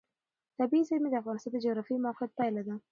طبیعي زیرمې د افغانستان د جغرافیایي موقیعت پایله ده.